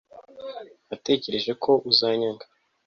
Natekereje ko uzanyanga